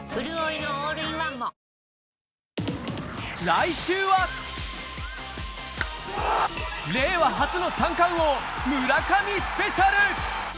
来週は令和初の三冠王村上スペシャル